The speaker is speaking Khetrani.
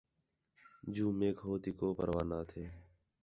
جوں میک ہو تی کو پروا نہ تھے